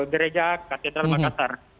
gereja katedral makassar